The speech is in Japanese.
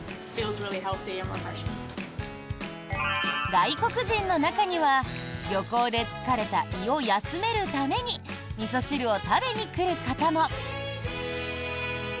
外国人の中には旅行で疲れた胃を休めるためにみそ汁を食べに来る方も。